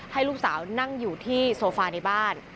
ให้ลูกสาวนั่งอยู่ที่โซฟาในบ้าน